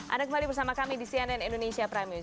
anda kembali bersama kami di cnn indonesia prime news